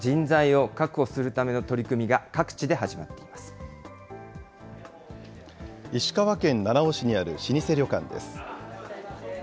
こうした中、人材を確保するための取り組みが各地で始まっていま石川県七尾市にある老舗旅館です。